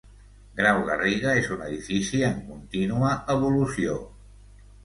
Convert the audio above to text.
Grau Garriga és un edifici en contínua evolució.